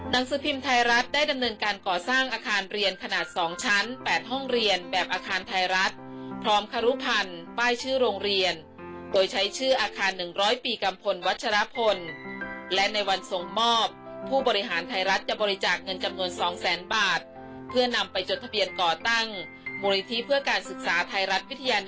หนังสือพิมพ์ไทยรัฐได้ดำเนินการก่อสร้างอาคารเรียนขนาด๒ชั้น๘ห้องเรียนแบบอาคารไทยรัฐพร้อมครุพันธ์ป้ายชื่อโรงเรียนโดยใช้ชื่ออาคาร๑๐๐ปีกัมพลวัชรพลและในวันทรงมอบผู้บริหารไทยรัฐจะบริจาคเงินจำนวน๒แสนบาทเพื่อนำไปจดทะเบียนก่อตั้งมูลนิธิเพื่อการศึกษาไทยรัฐวิทยา